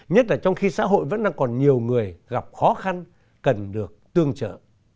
nhất là trong khi xã hội vẫn đang còn nhiều người gặp khó khăn cần được tương trợ